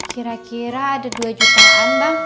kira kira ada dua jutaan bang